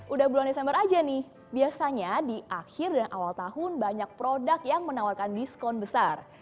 udah bulan desember aja nih biasanya di akhir dan awal tahun banyak produk yang menawarkan diskon besar